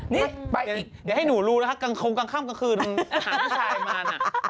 เดี๋ยวให้หนูรู้เกิงคงกลางขั้มกลางคืนหาไอ้มา